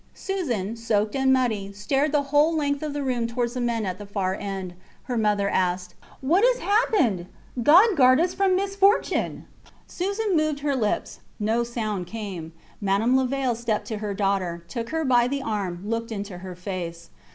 Susan, soaked and muddy, stared the whole length of the room towards the men at the far end. Her mother asked What has happened? God guard us from misfortune! Susan moved her lips. No sound came. Madame Levaille stepped up to her daughter, took her by the arm, looked into her face.